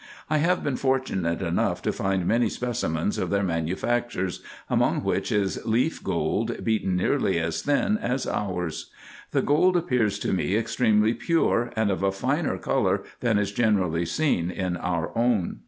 I have been fortunate enough to find many specimens of their manufactures, among which is leaf gold, beaten nearly as thin as ours. The gold appears to me extremely pure, and of a finer colour than is generally seen in our own.